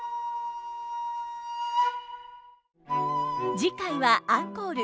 次回はアンコール。